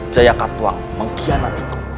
saya katuang mengkhianatiku